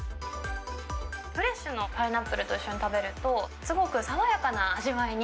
フレッシュなパイナップルと一緒に食べると、すごく爽やかな味わいに。